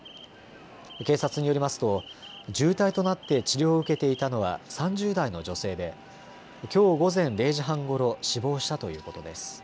警察によりますと重体となって治療を受けていたのは３０代の女性できょう午前０時半ごろ死亡したということです。